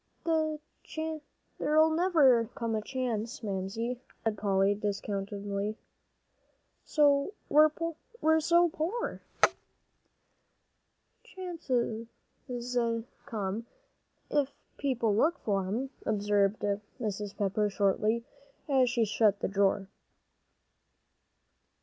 "There never'll come a chance, Mamsie," said Polly, disconsolately, "we're so poor." "Chances come, if people look for 'em," observed Mrs. Pepper, shortly, as she shut the drawer.